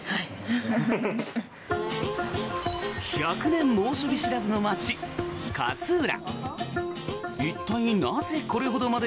１００年猛暑日知らずの街勝浦。